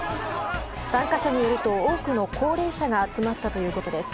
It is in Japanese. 参加者によると多くの高齢者が集まったということです。